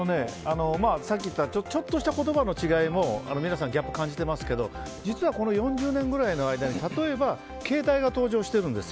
さっき言ったちょっとした言葉の違いも皆さんギャップ感じてますけど実は４０年くらいの間に例えば、携帯が登場しているんです。